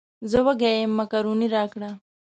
زه وږی یم مېکاروني راکړه.